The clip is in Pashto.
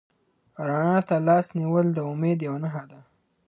رڼا ته لاس نیول د امید یوه نښه ده.